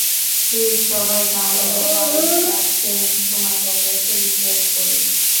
Please, সবাই গান এবং মদের সাথে, সময়টাকে সেলিব্রেট করি।